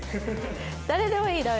誰でもいいダメ。